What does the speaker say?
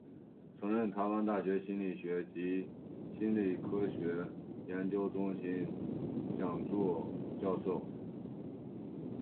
曾任台湾大学心理学系及心理科学研究中心讲座教授。